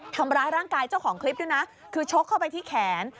ทำร้ายร่างกายเจ้าของคลิปด้วยนะคือชกเข้าไปที่แขน